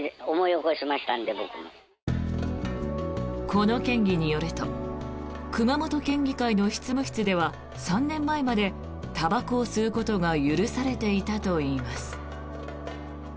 この県議によると熊本県議会の執務室では３年前までたばこを吸うことが許されていたといいます。